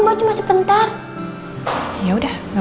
melebihi cintaku padanya